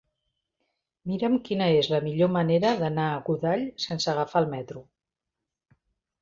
Mira'm quina és la millor manera d'anar a Godall sense agafar el metro.